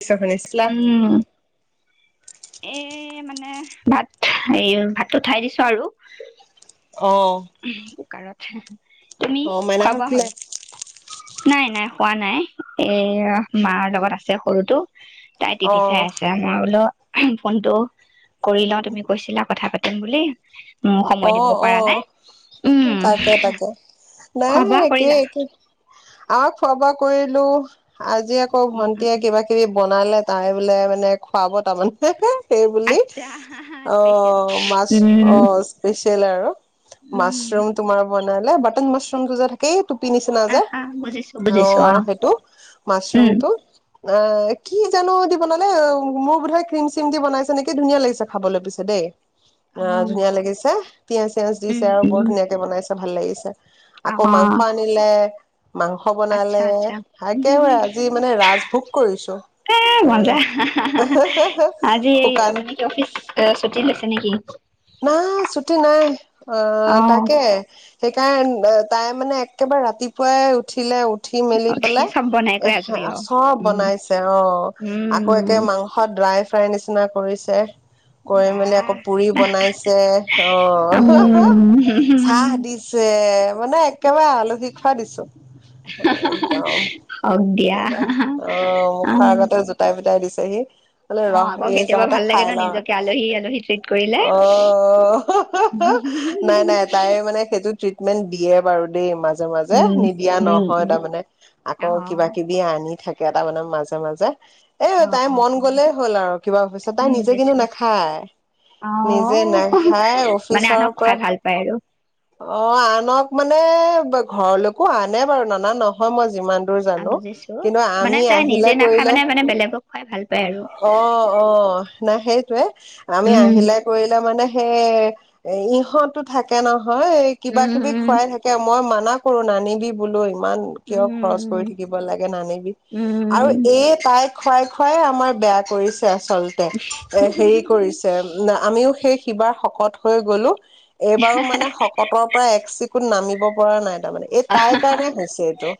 চেঁচা পানীনি চিক্লা উম এ মানে ভাত এই ভাত উঠাই দিছো আৰু। অ'। কুকাৰত, তুমি অ খোৱা মাইনাহত বোৱা শুলে হ'ল? নাই, নাই, হোৱা নাই, এ মাৰ লগত আছে সৰুটো। তাই টি অ ভি চাই আছে। মই বোলো ফোনটো কৰি লওঁ তুমি কৈছিলা কথা পাতিম বুলি। ময়ো সময় অ দিব অ পাৰা নাই। উম তাকে, তাকে নাই খোৱা বোৱা একে কৰিলা একে। আমাৰ খোৱা বোৱা কৰিলো, আজি আকৌ উম উম ভন্টিয়ে উম কিবা কিবি বনালে তাই বোলে মানে খুৱাব তাৰমানে। সেই বুলি আচ্ছা স্পেচিয়েল অ', মাছ উম অ'। স্পেচিয়েল আৰু উম মাছৰুম তোমাৰ বনালে বাটন মাছৰুমটো যে থাকেই। টুপি নিচিনা যে আহা বুজিছো বুজিছো অ অহ, সেইটো উম মাছৰুমটো। অ', কি জানো দি বনালে মোৰ বোধয় ক্ৰীম-চিম দি বনাইছে নেকি ধুনীয়া লাগিছে খাবলৈ পিছে দেই। অ', ধুনীয়া লাগিছে পিয়াজ চিয়াজ উম দিছে আৰু বৰ উম ধুনীয়াকে বনাইছে ভাল লাগিছে। অ আকৌ মাংস আনিলে মাংস মাংস বনালে আচ্ছা তাকে আচ্ছা আৰু আজি মানে ৰাজভোগ কৰিছো। ই মন আহ যায়, আজি এই শুকান আপুনি অফিচ এ চুটি লৈছে নেকি? নাই চুটি নাই অ', তাকে। সেইকাৰণে তাই মানে একেবাৰে ৰাতিপুৱাই উঠিলে। উঠি মেলি উঠি পেলাই চব বনাই কৰি আজৰি সেই অ চব উম বনাইছে অ', আকৌ উম একে মাংস স ড্ৰাই ফ্ৰাই নিচিনা কৰিছে, কৰি মেলি আকৌ বাহ পুৰি চে অ'। উম চাহ দিছে মানে একেবাৰে আলহি খোৱা দিছোঁ। একদম হওক দিয়া পোৰা মজা অ', অ মুখাৰ আগতে জুত গোটাই পোটাই দিছেহি মানে অ ৰহ এই যহতে খাই লওঁ। হিতিক কৰিলে। অ', নাই, নাই তাই মানে সেইটো ট্ৰিটমেন্ট দিয়ে বাৰু দেই মাজ মাজে, উম মাজে নিদিয়া উম নহয় উম তাৰমানে অ আকৌ কিবা কিব বি আনি থাকে তাৰমানে মাজে মাজে। এ অ তাইৰ অ মন গ'লেই হ'ল আৰু কিবা ভৱিছা তাই উম নিজে কিন্তু বুজিছো নাখায়। অ নিজে নাখাই মানে আনক অফিচৰ পৰা খুৱাই ভাল পায় আৰু অ' আনক মানে ঘৰলৈকো আনে বাৰু নানা নহয় মই যিমান, টো জানো বুজিছো কিন্তু মানে আমি তাই নিজে আহিলে নাখায় কৰিলে মানে মানে বেলেগক খুৱাই ভাল পায় আৰু অ' অ, নাই সেইটোয়ে আমি উম আহিলে। কৰিলে মানে সেই ইহতো থাকে নহয় এ কিবা কিবি উম, খুৱাই থাকে। এ মই মানা কৰো নানিবি বোলো ইমান। কিয় খৰছ কৰি উম, থাকিব লাগে নানিবি আৰু উম। এই তাই, খুৱাই খুৱাই আমাৰ বেয়া কৰিছে আচলতে এ হেৰি কৰিছে না, আমিও সেই কিবা শকত হৈ গলো এইবাৰো মানে শক, কতৰ পৰা এক চিকুণ নামিব পৰা নাই তাৰমানে এই তাই কাৰণে হৈছে এইটো।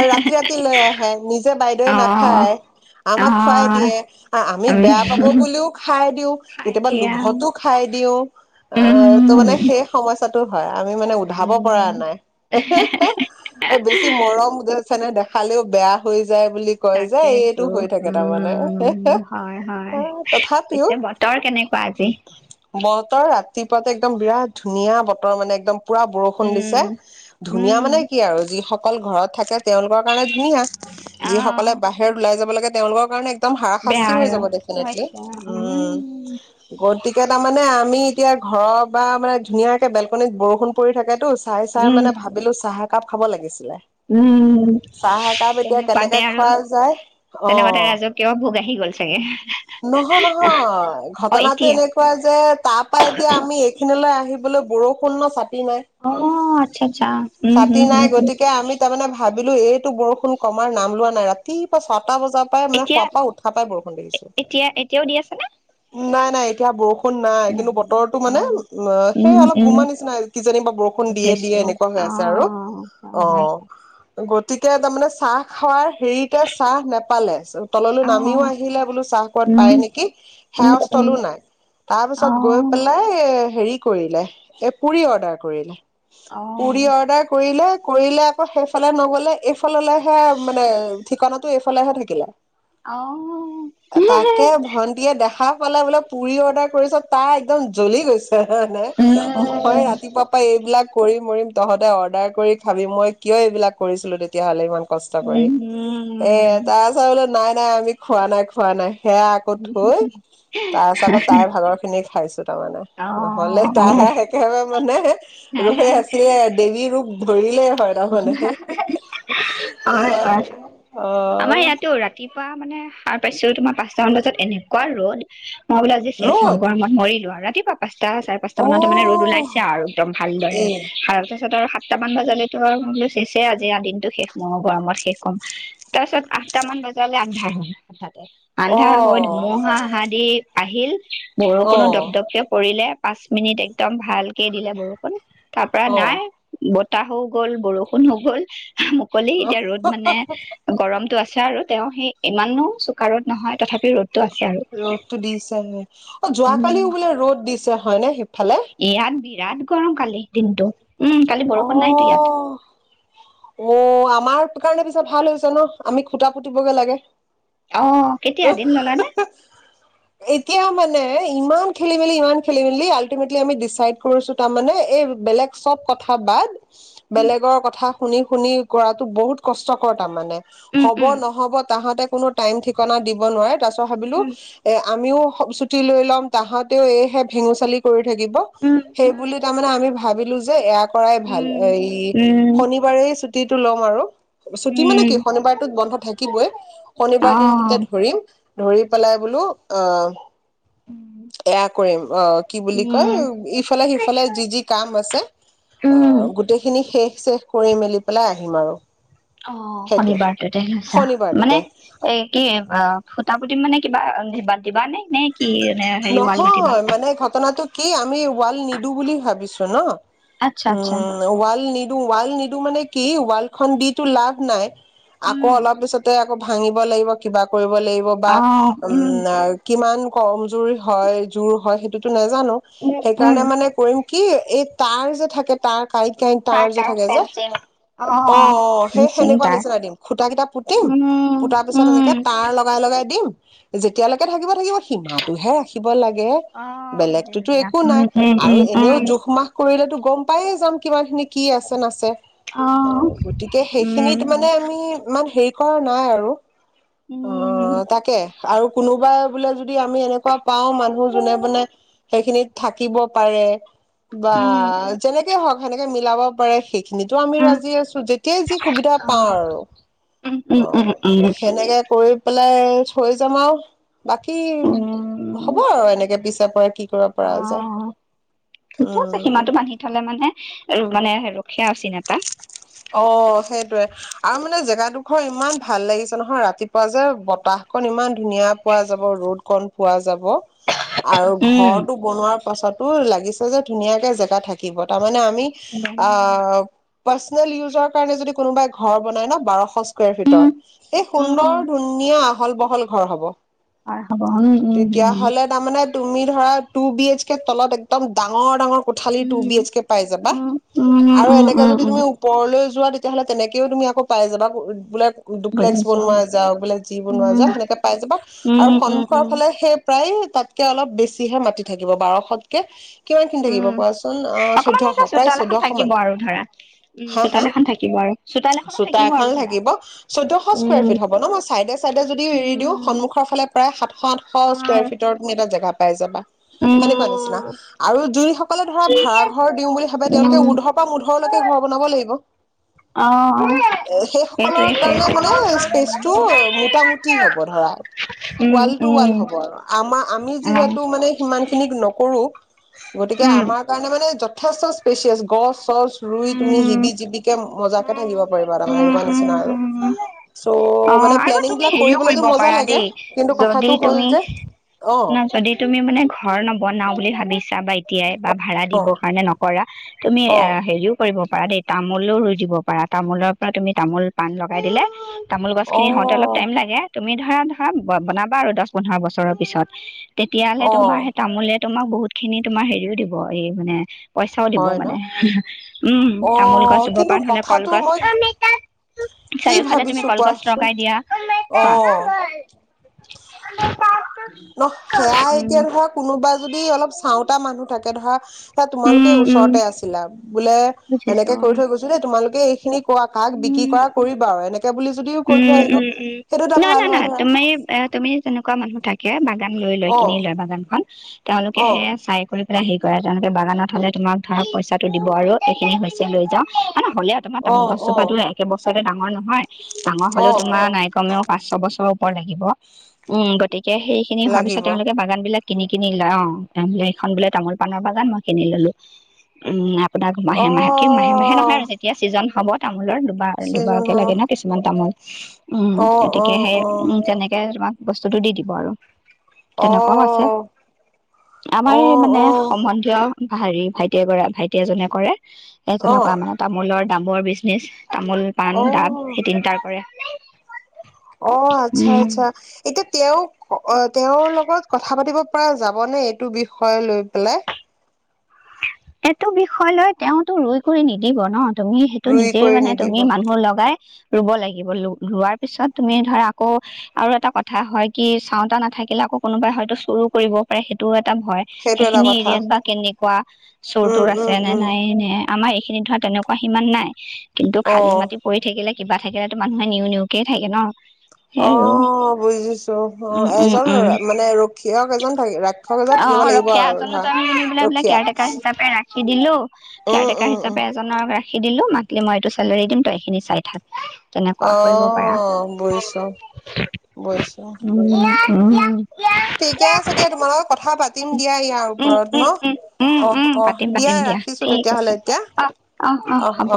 আৰু ৰাতি ৰাতি লৈ আহে নিজে বাইদেৱে অ', নাখায়। আমাক খুৱাই অ', দিয়ে আ আমি বেয়া পাব বুলিও খাই দিওঁ। খাই কেতিয়াবা দিয়া। লোভতো খাই দিয়ো আ ত' উম, মানে সেই, সমস্যাটো হয় আমি মানে উধাব পৰা উম, নাই। বেছি মৰম ছেনেহ দেখালেও বেয়া হৈ যায় বুলি, কয় যে এইটো তাকেইতো হৈ থাকে তাৰমানে উম, হয়, হয় তথাপিও পিছে ব বতৰ কেনেকুৱা আজি? বতৰ ৰাতিপুৱাতে একদম বিৰাট ধুনীয়া বতৰ মানে একদম। পুৰা বৰষুণ উম, দিছে ধুনীয়া উম, মানে কি আৰু যিসকল ঘৰত থাকে, তেওঁলোকৰ কাৰণে ধুনীয়া অ', যিসকলে বাহিৰ ওলাই যাব লাগে তেওঁলোকৰ কাৰণে, একদম বেয়া হাৰাশাস্তি হৈ আৰু। যাব ডেফিনেটলি হৈছে উম, গতিকে তাৰমানে আমি এতিয়া ঘৰৰ বা মানে ধুনীয়াকে বেলকনিত বৰষুণ পৰি থাকেতো। চাই চাই উম, মানে ভাবিলো চাহ একাপ খাব লাগিছিলে। উম, চাহ একাপ এতিয়া কেনেকে পাতে আৰু খোৱা যায় তেনেকুৱাতে অ'। ৰাইজক। তেও ভোক আহি গ'ল নহয় চাগে। নহয় অ', ঘটনাটো এতিয়া এনেকুৱা যে তাৰ পৰা এতিয়া আমি এইখিনিলৈ আহিবলৈ বৰষুণ ন চাটি নাই। অ' আচ্ছা আচ্ছা। উম, হম, ছাতি নাই হম, হম, গতিকে আমি, তাৰ মানে ভাবিলো এইটো বৰষুণ কমাৰ নাম লোৱা নাই ৰাতিপুৱা ছটা বজাত। মানে এতিয়া শুৱা পৰা উঠা পাই বৰষুণ দেখিছো এতিয়া এতিয়াও দি আছে নে? নাই নাই এতিয়া বৰষুণ, বৰষুণ নাই কিন্তু বতৰৰতো মানে অ', সেই উম অলপ উম গোমা নিচিনা কিজানি বা বৰষুণ, বৰষুণ দিয়ে বুজিছো দিয়ে এনেুৱা হৈ অ আৰু হয় হয় অ' গতিকে তাৰমানে চাহ, খোৱাৰ হেৰিতে চাহ নোপালে তললৈ অ নামিও আহিলে বোলো চাহ কোবাত উম পায় নেকি। উম সেৱা উম স্থলো নাই তাৰ অ পিছত গৈ পেলাই এ হেৰি, কৰিলে এ পুৰি অৰ্ডাৰ কৰিলে অ পুৰি অৰ্ডাৰ কৰিলে কৰিলে। সেইফালে নগলে এইফাললেহে মানে ঠিকনাটো এইফালেহে মানে থাকিলে। অ তাকে ভন্টিয়ে দেখা। পাল বোলে পুৰি অডাৰ কৰিছ তাই একদম জ্বলি গৈছে মই ৰাতিপুৱা। এইবিলাক কৰি মৰিম তহঁতে অৰ্ডাৰ কৰি খাবি মই কিয় এইবিলাক কৰিছিলো তেতিয়াহ'লে ইমান। কষ্ট কৰি উম এ উম উম তাৰপাছত বোলো নাই নাই আমি খোৱা নাই খোৱা নাই সেয়া। থৈ তাৰপাছ আকৌ তাই ভাগৰ খিনি খাইছো তাৰমানে অ নহলে তাইহে, একেবাৰে মানে ৰৈ আছিলে দেৱী ৰূপ। ধৰিলে হয় নহলে। হয় অ হয় অ আমাৰ ইয়াতো ৰাতিপুৱা মানে সাৰ পাইছিলোঁ তোমাৰ পাঁচটামান বজাত এনেকুৱা ৰ'দ। মই বোলে আজি শেষ আও ৰ'দ গৰমত মই মৰিলো আৰু ৰাতিপুৱা পাঁচটা চাৰে পাছ। অ পাচটামানত মানে ৰ'দ ওলাইছে আৰু একদম ভালদৰে এ তাৰপিছত আৰু সাত, [unintelligible] চেছে আজি আ দিনো শেষ মই গৰমত শেষ হম। তাৰপিছত আঠটামান বজালে আন্ধাৰ হ'ল হঠাতে। আন্ধাৰ হৈ অ ধুমুহা হা দি আহিল, বৰষুণো অ', দপদপকে পৰিলে। পাঁচ মিনিট একদম ভালকে দিলে বৰষুণ তাৰ পৰা অ', নাই। বতাহো হৈ গ'ল, বৰষুণ হৈ গ'ল মুকলি এতিয়া ৰ'দ মানে গৰমটো আছে আৰু তেওঁ সেই ইমানো চোকা ৰ'দ নহয় তথাপি ৰ'দ টো আছে আৰু। ৰ'দটো দিছেহে অ', যোৱাকালিও বোলে ৰ'দ দিছে হয়নে সেইফালে। ইয়াত বিৰাট গৰম কালি দিনটো উম, কালি বৰষুণ নাইতো ইয়াত। অ', অ', আমাৰ কাৰণে পিছে ভাল হৈছে ন' আমি খুটা পুতিবগৈ লাগে। অ', কেতিয়া দিন ল'লানে? এতিয়া মানে ইমান খেলি মেলি ইমান খেলি মেলি আল্টিমেটলি আমি ডিচাইড কৰিছো তাৰমানে এই বেলেগ চব কথা বাদ, উম বেলেগৰ কথা শুনি শুনি কৰাটো বহুত কষ্টকৰ তাৰমানে। উম হ'ব, উম নহ'ব তাহাতে কোনো টাইম ঠিকনা দিব নোৱাৰে তাৰপিছত ভাবিলো উম এ আমিও চুটি লৈ ল'ম তাহাঁতেও এইহে ভেঙু চালি কৰি থাকিব উম সেই বুলি তে আমি ভাবিলো এয়াত কৰাই ভাল, উম এই উম উম শনিবাৰে ছুটিটো লম আৰু। ছুটি মানে কি উম। শনিবাৰটোত বন্ধ থাকিবই, শনিবাৰ দিনটোত অ', ধৰিম ধৰি পেলাই বোলো অহ, উম। এয়া কৰিম অ'। কি বুলি কয়, উম, ইফালে সিফালে যি যি কাম আছে। অ', গোটেইখিনি শেষ চেছ কৰি মেলি পেলাই আহিম আৰু। অ', সেইটোৱে শনিবাৰটোতে লৈছা মানে শনিবাৰটোতে এ কি অ', খুঁটা পুটিম মানে কিবা পাতিবা নে নে কি এনে নহয় মানে ঘটনাটো কি আমি ওৱাল নিদো বুলি ভাবিছো ন' আচ্ছা আচ্ছা। উম। ওৱাল নিদো, ওৱাল নিদো মানে কি ওৱালখন দিটো লাভ নাই। আকৌ উম, অলপ পিছতে আকৌ ভাঙিব লাগিব কিবা কৰিব লাগিব বা উম। কিমান কমজোৰ হয় জোৰ হয় সেইটোতো নাজানো উম, উম, সেইকাৰণে মানে কৰিম কি এই তাঁৰ যে থাকে তাঁৰ কাঁইট, কাঁইট তাঁৰ তাৰ যে তাৰ থাকে যে ফেঞ্চিং। অ', অ', সেই ফেঞ্চিং সেনেকুৱা তাৰ নিচিনা দিম। খুঁটা কেইটা পুতিম, উম, পুতাৰ পিছত উম। এনেকে তাৰ লগ বা লগাই দিম, যেতিয়ালৈকে থাকিব থাকিব সীমাটোহে। থাকিব লাগে অ', বুজিলো বেলেগটোতো দিয়া একো নাই উম, উম, আৰু উম, এনেও উম, জোখ মাখ কৰিলেটো গম পায়ে যাম কিমানখিনি কি আছে নাছে। অ', গতিকে সেইখিনিত মানে উম। ইমান হেৰি কৰা নাই আৰু অ'। উম, অ', তাকে আৰু কোনোবাই বোলে যদি আমি এনেকুৱা পাওঁ মানুহ যোনে মোনে সেইখিনিত থাকিব পাৰে বা উম, যেনেকে হওঁক সেনেকে মিলাব পাৰে সি সেইখিনিতো আমি উম, ৰাজি আছোঁ যেতিয়াই যি সুবিধা অ', পাওঁ আৰু। উম, উম, উম, উম, অ', সেনেকে কৰি পেলাই থৈ যাম আৰু। বাকী উম। হ'ব আৰু এনেকে পিছৰ পৰা কি কৰিব অ পৰা যায়, ঠিকে আছে সীমাটো উম। বান্ধি থ'লে মানে এ মানে [unintelligible] অ', সেইটোৱে আৰু মানে জেগাডোখৰ ইমান ভাল লাগিছে নহয় ৰাতিপ পুৱা যে বতাহ কণ ইমান পোৱা যাব, ৰ'দ কণ পোৱা যাব। এহেহহ আৰু ঘৰটো বনোৱাৰ পাছতো লাগিছে যে ধুনীয়াকে জেগা থাকিব তাৰমানে আমি- আ পাইছেনে উজৰ কাৰনে যদি কোনোবাই ঘৰ বনাই ন বাৰশ- স্কৰ ফিটৰ উম এই উম উম সুন্দৰ ধুনীয়া আহল বহল ঘৰ হ'ব। হয় হ'ব উম উম তেতিয়া হ'লে তাৰমানে- তুমি ধৰা টু বি এইচ কে তলত একদম ডাঙৰ ডাঙৰ কোঠালি two um B H K পাই যাবা। উম উম উম আৰু উম এনেকে উম যদি উম তুমি ওপৰলৈ যোৱা তেতিয়াহ'লে তেনেকেও আকৌ পাই যাবা বোলে- ডুপ্লেক্স বুজিছো বনোৱা যাওঁক বোলে যি বনোৱা উম যাওঁ সেনেকে পাই যাবা উম আৰু উম সন্মুখৰ উম ফালে সেই- প্ৰায় তাতকে অলপ বেছিহে মাতি থাকিব বাৰখতকে- কিমানখিনি থাকিব উম কোৱাচোন অঁ অকমান এ চৈধ্শ চোতাল প্ৰায়চ- এখন থাকিব আৰু ধৰা উমঁ হা চোতাল এখন থাকিব আৰু চোতাল এখনো চোতা থাকিব এখন আৰু ধৰা। থাকিব চৈধ্যশ স্কয়াৰ উম ফিট হ'ব ন মই ছাইডে ছাইডে যদি এৰি দিওঁ উম সন্মুখৰ ফালে প্ৰায় সাতশ আঠশ স্কুৱয়াৰ ফিট- ৰ'দ মেটা এটা জাগা পাই যাবা। উম সেনেকুৱা নিচিনা আৰু যোন সকলে ধৰা ভাৰা ঘৰ দিওঁ বুলি ভাবে- উম ওৰৰ পৰা মোধৰলৈকে ঘৰ বনাব লাগিব। অঁ অঁ! সেই সকলৰ কাৰণে মানে স্পেচটো মোটামুটি হ'ব ধৰা। উম ৱাল্ টো ৱাল উম হ'ব আৰু আমাৰ আমি অ যিহেতু মানে- সিমানখিনি নকৰোঁ গতিকে উম। আমাৰ কাৰণে মানে যথেষ্ট স্পেচিয়াছ গছ। গছ ৰুই তুমি উম, শিবি জিবিকে মজাকে থাকিব পাৰিবা তাৰমানে উম, এনেকুৱা উম, নিচিনা আৰু। উম চ' অ' মানে আৰু প্লেনিং তুমি বিলাক হেৰিও কৰিবলৈতো কৰিব মজা পাৰা লাগে কিন্তু কথাটো হ'ল যে- অ ন যদি তুমি মানে ঘৰ নবনাও বুলি ভাবিছা বা এতিয়াই বা ভাড়া অ দিবৰ কাৰণে নক- কৰা তুমি অ হেৰিও- কৰিব পাৰা দেই তামোলো ৰুই দিব পাৰা তামোলৰ পৰা তুমি তামোল পান লগাই দিলে- তামোল গছ খিনি হওঁতে অলপ টাইম অ লাগে তুমি ধৰা ধৰা বনাবা আৰু দহ পোন্ধৰ বছৰৰ পিছত। তেতিয়াহলে অ তোমাৰ সেই তামোলে তোমাক বহুত খিনি তোমাৰ হেৰিও দিব এই মানে- পইচাও দিব হয় ন মানে। উমঁ অ তামোল গছ ৰুব কিন্তু পৰা নহলে কথাটো মই কলগছ কি চাৰিওফালে- তুমি ভাবিছো কলগছ কোৱাচোন লগাই দিয়া কোৱা- অ ন সেয়াই উম এতিয়া ধৰক- কোনোবা যদি অলপ চাওঁতা মানুহ থাকে ধৰা সে তোমালোকে উম উম ওচৰতে আছিলা বোলে- বুজিছো এনেকে কৰি থৈ গৈছো দেই তোমালোকে এইখিনি ক কাক বিক্ৰী কৰা কৰিবা আৰু এনেকে বুলি যদি- উমঁ উমঁ উমঁ ন ন ন তুমি এ তুমি। তেনেকুৱা মানুহ থাকে বাগান লৈ লয় অ কিনি লয় বাগান খন তেওঁলোকে অ সেয়া চাই কৰে- এ হেৰি কৰে তেওঁলোকে বাগানত হ'লে তোমাক ধৰক পইচাটো দিব আৰু এইখিনি হৈছে লৈ যাওঁ মানে হ'লেও- তোমাৰ অ তামোল অ গছজোপা টো একে বছৰতে ডাঙৰ নহয় ডাঙৰ অ হ'লেও তোমাৰ অ নাইকমেও- পাঁচ ছয় বছৰৰ ওপৰ লাগিব উমঁ গতিকে সেই খিনি হোৱাৰ পিছত লাগিব তেওঁলোকে বাগান বিলাক- কিনি কিনি লয় অ বোলে এইখন বোলে তামোল পানৰ বাগান মই কিনি ললোঁ উমঁ। আপোনাক মাহে অ মাহে কি মাহে মাহে নহয় আৰু যেতিয়া ছিজন হব তামোলৰ দুবাৰ চিজন দুবাৰকে লাগে হব ন কিছু- কিছুমান তামোল উমঁ অ অ গতিকে সেই অ উমঁ তেনেকে তোমাক বস্তুটো দি দিব আৰু। অ তেনেকুৱাও আছে, আমাৰ অ এই মানে সম্বন্ধীয়- থিয় হেৰি ভাইটিয়ে কৰা, ভাইটি এজনে কৰে, সেই অ তেনেকুৱা মানে। তামোলৰ দাবৰ বিজনেচ, তামোল, অ পাণ, দাব অ সেই তিনটা কৰে। অঁ আচ্ছা উম, আচ্ছা। এতিয়া তেওঁ, তেওঁৰ লগত কথা পাতিব পৰা যাবনে? এইটো বিষয় লৈ পেলাই। এইটো বিষয় লৈ তেওঁতো ৰই কৈ নিদিব ন'। তুমি সেইটো ৰুই নিজে কৰি মানে নিদিব তুমি মানুহ লগাই ৰুব লাগিব, ৰোৱাৰ পিছত তুমি ধৰা আকৌ আৰু এটা কথা হয় কি, চাওঁতা নাথাকিলে আকৌ কোনোবাই হয়তো চুৰো কৰিব। মানে সেইটোওঁ এটা ভয়, সেইটো এটা সেইখিনি কথা এৰিয়াত বা কেনেকুৱা? চোৰ উম তোৰ আছে উম নে উম নাই? নে? আমাৰ এইখিনিত ধৰা, তেনেকুৱা সিমান নাই, কিন্তু অ খালী মাটি কৰি থাকিলে কিবা থাকিলেতো মানুহে নিও নিওকেই থাকে ন। সেই আৰু অ' বুজিছো, অ' উম উম এজন উম মানে ৰক্ষীয়ক এজন থাকি ৰা অ' ৰখীয়া এজনো আনি বোলো ৰখীয়া কেয়াৰ টেকাৰ হিচাপে ৰাখি দিলো, কেয়াৰ উম টেকাৰ উম উম হিচাপে এজনক ৰাখি দিলো, মান্থলী মই এইটো চেলেৰি দিম তই এইখিনি চাই থাক। অ তেনেকুৱা কৰিব বুজিছো পাৰা। বুজিছো উম, ইয়া ইয়া ঠিকে আছে দিয়া ইয়া তোমাৰ লগত কথা ইয়া। পাতিম দিয়া ইয়াৰ ওপৰত ন, উম উম অহ' অহ' পাতিম দিয়া ৰাখিছো তেতিয়াহলে এতিয়া। অহ' অহ', হ'ব।